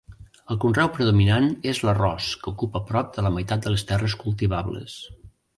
El conreu predominant és l'arròs, que ocupa prop de la meitat de les terres cultivables.